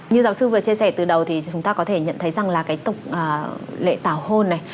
như giáo sư vừa chia sẻ từ đầu thì chúng ta có thể nhận thấy rằng là cái tục lệ tảo hôn này